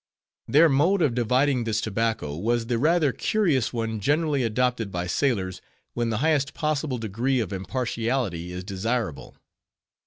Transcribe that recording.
Their mode of dividing this tobacco was the rather curious one generally adopted by sailors, when the highest possible degree of impartiality is desirable.